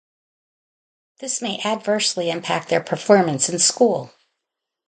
This may adversely impact their performance in school.